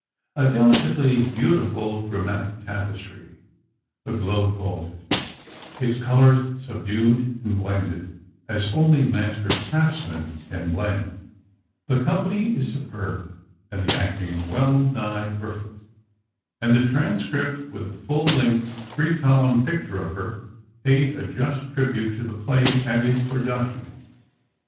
"A delicately beautiful dramatic tapestry," the Globe called it, "its colors subdued and blended, as only master craftsmen can blend.... The company is superb, and the acting well nigh perfect." And the Transcript, with a full length three column picture of her, paid a just tribute to the play and its production.